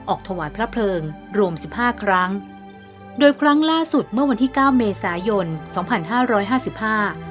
ถวายพระเพลิงรวมสิบห้าครั้งโดยครั้งล่าสุดเมื่อวันที่เก้าเมษายนสองพันห้าร้อยห้าสิบห้า